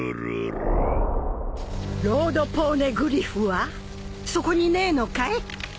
ロードポーネグリフはそこにねえのかい？